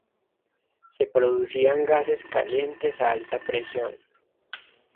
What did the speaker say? Se producían gases calientes a alta presión.